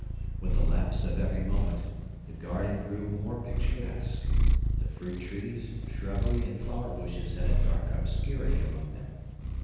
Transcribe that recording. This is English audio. With the lapse of every moment, the garden grew more picturesque; the fruit trees, shrubbery, and flower bushes had a dark obscurity among them.